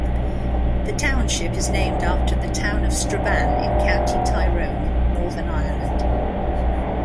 The township is named after the town of Strabane in County Tyrone, Northern Ireland.